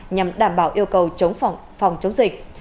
nhằm đảm bảo yêu cầu chống phòng chống dịch